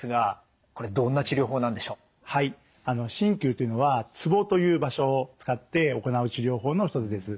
鍼灸っていうのはツボという場所を使って行う治療法の一つです。